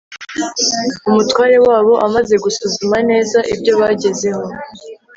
umutware wabo, amaze gusuzuma neza ibyo bagezeho